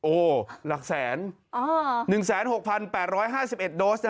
โอ้หรอกแต่ละแสน